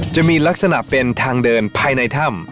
จะมีลักษณะเป็นทางเดินภายในถ้ำ